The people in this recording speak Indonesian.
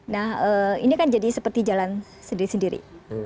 nah ini kan jadi seperti jalan sendiri sendiri